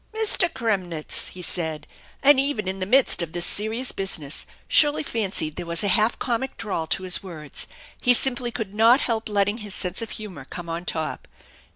"Mr. Kremnitz," he said, and even in the midst of this serious business Shirley fancied there was a half comic drawl to his words. He simply could not help letting his sense of humor come on top.